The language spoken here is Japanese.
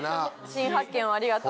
新発見をありがとう。